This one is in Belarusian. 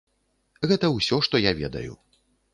Гэта ўсё, што я ведаю.